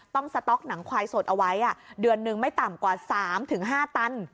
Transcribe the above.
ต้องสต๊อกหนังควายสดเอาไว้อ่ะเดือนหนึ่งไม่ต่ำกว่าสามถึงห้าตัน